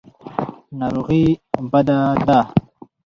ناروغي بده ده.